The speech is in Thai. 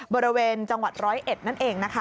บริเวณจังหวัดร้อยเอ็ดนั่นเองนะคะ